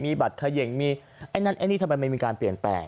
บัตรเขย่งมีไอ้นั่นไอ้นี่ทำไมมันมีการเปลี่ยนแปลง